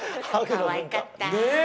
かわいかった。